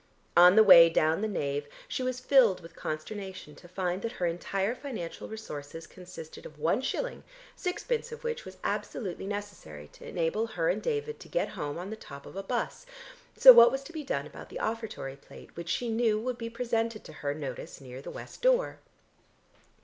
On the way down the nave she was filled with consternation to find that her entire financial resources consisted of one shilling, sixpence of which was absolutely necessary to enable her and David to get home on the top of a bus, so what was to be done about the offertory plate which she knew would be presented to her notice near the west door.